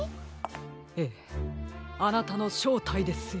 ええあなたのしょうたいですよ。